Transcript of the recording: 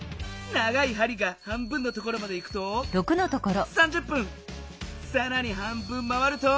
長いはりが半分のところまでいくとさらに半分回ると。